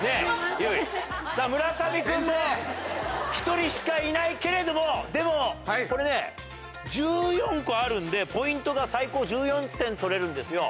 １人しかいないけれどもでもこれね１４個あるんでポイントが最高１４点取れるんですよ。